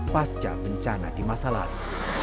pasca bencana di masa lalu